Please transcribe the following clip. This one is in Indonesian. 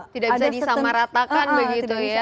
tidak bisa disamaratakan begitu ya